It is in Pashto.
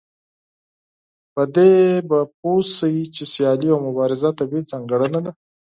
په دې به پوه شئ چې سيالي او مبارزه طبيعي ځانګړنه ده.